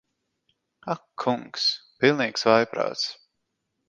Ak kungs. Pilnīgs vājprāts.